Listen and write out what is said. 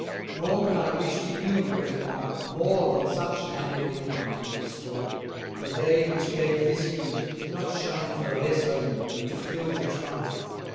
Nor can I wish to you, great Monarch, more Than such an annual income to your store; The day which gave this Unit, did not shine For a less omen, than to fill the Trine.